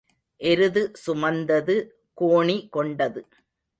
எருது சுமந்தது கோணி கொண்டது.